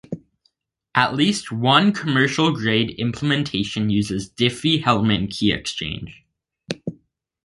At least one commercial grade implementation uses Diffie-Hellman key exchange.